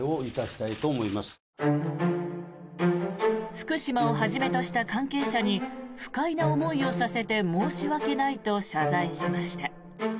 福島をはじめとした関係者に不快な思いをさせて申し訳ないと謝罪しました。